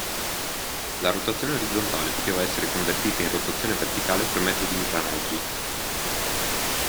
La rotazione orizzontale poteva essere convertita in rotazione verticale per mezzo di ingranaggi.